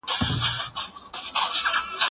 ایا ته په خپله موضوع کي کوم بل نوښت لرې؟